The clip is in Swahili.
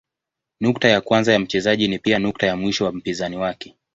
Nukta ya kwanza ya mchezaji ni pia nukta ya mwisho wa mpinzani wake.